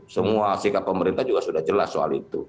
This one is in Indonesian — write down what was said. semua sikap pemerintah juga sudah jelas soal itu